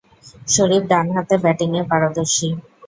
শরীফ ডানহাতে ব্যাটিংয়ে পারদর্শী।